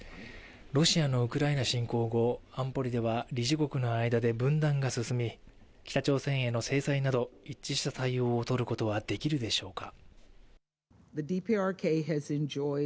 ロシアのウクライナ侵攻後安保理では理事国の間で分断が進み、北朝鮮への制裁など一致した対応をとることはできるでしょうか。